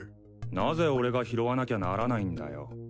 なぜ俺が拾わなきゃならないんだよ。